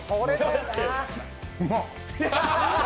うまっ！